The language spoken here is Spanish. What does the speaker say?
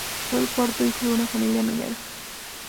Fue el cuarto hijo de una familia minera.